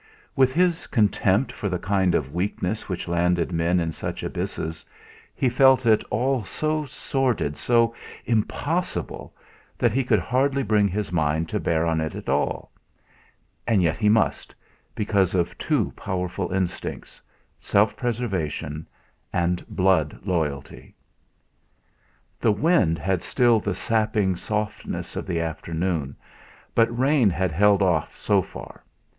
With his contempt for the kind of weakness which landed men in such abysses, he felt it all so sordid, so "impossible," that he could hardly bring his mind to bear on it at all. And yet he must, because of two powerful instincts self preservation and blood loyalty. The wind had still the sapping softness of the afternoon, but rain had held off so far.